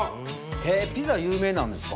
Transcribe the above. へぇピザ有名なんですか？